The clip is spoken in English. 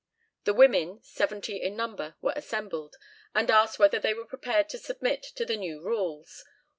The women, seventy in number, were assembled, and asked whether they were prepared to submit to the new rules.